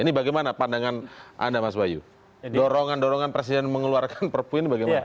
ini bagaimana pandangan anda mas bayu dorongan dorongan presiden mengeluarkan perpu ini bagaimana